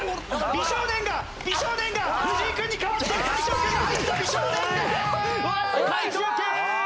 美少年が美少年が藤井君に代わって浮所君が入った美少年が解答権。